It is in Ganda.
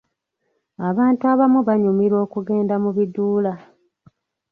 Abantu abamu banyumirwa okugenda mu biduula.